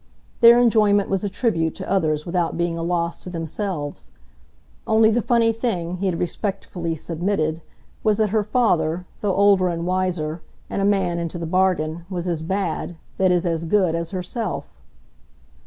Their enjoyment was a tribute to others without being a loss to themselves. Only the funny thing, he had respectfully submitted, was that her father, though older and wiser, and a man into the bargain, was as bad that is as good as herself.